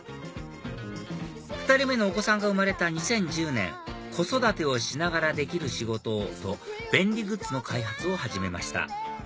２人目のお子さんが生まれた２０１０年子育てをしながらできる仕事をと便利グッズの開発を始めました